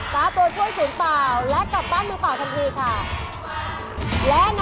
ราคาตัวช่วยศูนย์เปล่าและกับราคาศูนย์เปล่าทันทีค่ะ